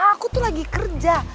aku tuh lagi kerja